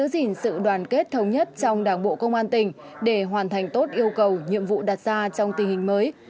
tỉnh để hoàn thành tốt yêu cầu nhiệm vụ đặt ra trong tình hình mới